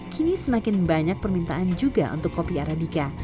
kini semakin banyak permintaan juga untuk kopi arabica